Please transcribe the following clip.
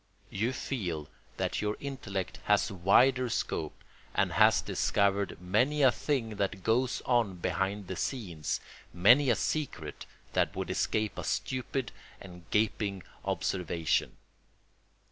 You feel that your intellect has wider scope and has discovered many a thing that goes on behind the scenes, many a secret that would escape a stupid and gaping observation.